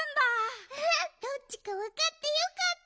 フフッどっちかわかってよかった！